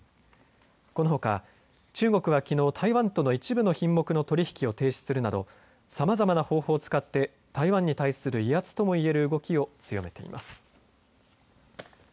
このほか中国はきのう台湾との一部の品目の取り引きを停止するなどさまざまな方法を使って台湾に対する威圧ともいえる動きを強めています。